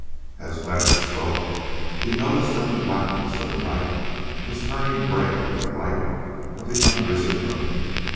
As Leonard spoke, he noticed that the blackness of the night was turning grey with the light of the unrisen moon.